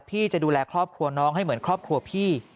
พี่จะดูแลครอบครัวน้องให้เหมือนครอบครัวพี่